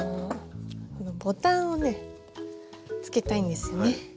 ボタンをねつけたいんですよね。